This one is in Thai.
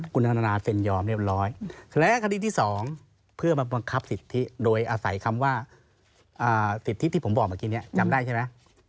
คุณธนาเซ็นยอมเรียบร้อยและคดีที่๒เพื่อมาบังคับสิทธิโดยอาศัยคำว่าสิทธิที่ผมบอกเมื่อกี้นี้จำได้ใช่ไหม